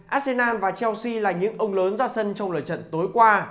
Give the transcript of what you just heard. shinan và chelsea là những ông lớn ra sân trong lời trận tối qua